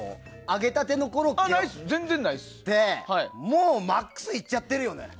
揚げたてのコロッケってもうマックスいっちゃってるよね。